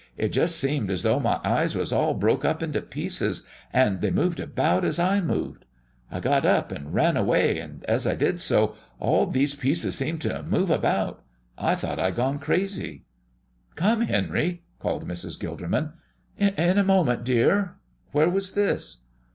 It just seemed as though my eyes was all broke up into pieces, and they moved about as I moved. I got up and ran away, and as I did so all these pieces seemed to move about. I thought I'd gone crazy." "Come, Henry!" called Mrs. Gilderman. "In a moment, dear. Where was this?"